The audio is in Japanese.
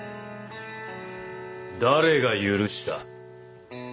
誰が許した？